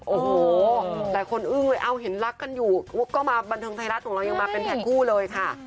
โอ้โหหลายคนอึ้งเลยเอาเห็นรักกันอยู่ก็มาบันเทิงไทยรัฐของเรายังมาเป็นแผนคู่เลยค่ะ